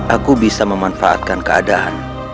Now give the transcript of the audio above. aku bisa memanfaatkan keadaan